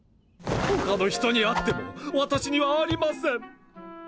他の人にあっても私にはありません。